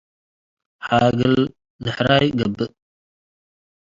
. ሓግል ድሕራይ ገብእ፣